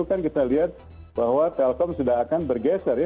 kan kita lihat bahwa telkom sudah akan bergeser ya